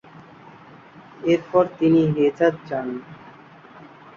এরপর তিনি হেজাজ যান।